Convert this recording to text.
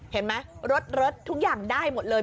เห็นไหมรถทุกอย่างได้หมดเลย